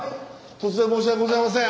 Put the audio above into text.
突然申し訳ございません